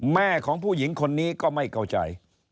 แม่ของผู้หญิงคนนี้ก็ไม่เข้าใจ